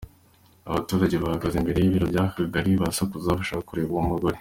Abaturage bahagaze imbere y’ibiro by’ako kagari, barasakuza, bashaka kureba uwo mugore.